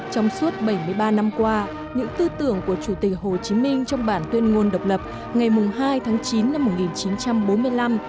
trong suốt bảy mươi ba năm qua những tư tưởng của chủ tịch hồ chí minh trong bản tuyên ngôn độc lập ngày hai tháng chín năm một nghìn chín trăm bốn mươi năm